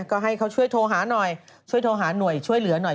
ก็ให้เขาช่วยโทรหาหน่วยช่วงมีหนึ่ง๑๖๙